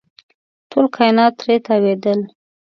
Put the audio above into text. ټول کاینات ترې تاوېدل.